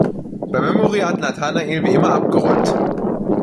Beim Memory hat Nathanael wie immer abgeräumt.